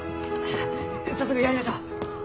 早速やりましょう！